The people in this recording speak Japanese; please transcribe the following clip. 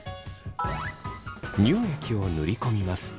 乳液を塗り込みます。